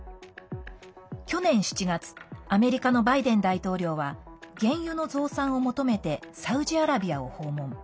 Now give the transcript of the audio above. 去年７月アメリカのバイデン大統領は原油の増産を求めてサウジアラビアを訪問。